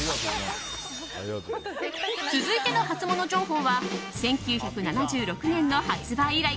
続いてのハツモノ情報は１９７６年の発売以来